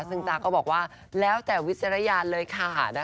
ซึ่งจ๊ะก็บอกว่าแล้วแต่วิจารณญาณเลยค่ะ